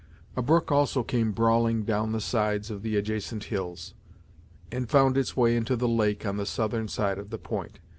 A brook also came brawling down the sides of the adjacent hills, and found its way into the lake on the southern side of the point.